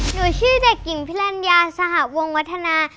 หนูชื่อเด็กหญิงพิรัญญาสหวงวัฒนา